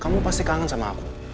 kamu pasti kangen sama aku